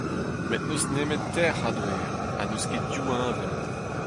Met n'eus nemet teir c'hador, ha n'eus ket div heñvel.